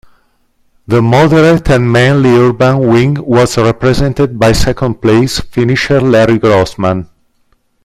The moderate and mainly urban wing was represented by second-place finisher Larry Grossman.